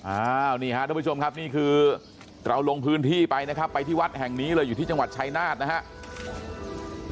อ้าวนี่ฮะทุกผู้ชมครับนี่คือเราลงพื้นที่ไปนะครับไปที่วัดแห่งนี้เลยอยู่ที่จังหวัดชายนาฏนะครับ